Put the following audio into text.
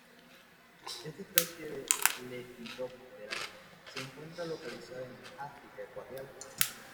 Esta especie de Lepidoptera se encuentra localizada en África ecuatorial.